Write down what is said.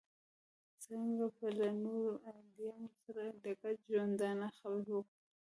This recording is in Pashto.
څرنګه به له نورو ادیانو سره د ګډ ژوندانه خبرې وکړو.